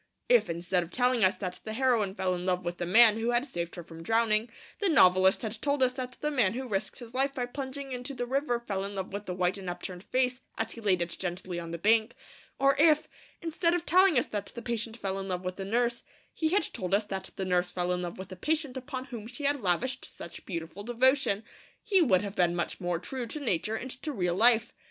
If, instead of telling us that the heroine fell in love with the man who had saved her from drowning, the novelist had told us that the man who risked his life by plunging into the river fell in love with the white and upturned face as he laid it gently on the bank; or if, instead of telling us that the patient fell in love with the nurse, he had told us that the nurse fell in love with the patient upon whom she had lavished such beautiful devotion, he would have been much more true to nature and to real life.